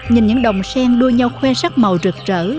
nhìn những đồng sen đua nhau khuê sắc màu rực rỡ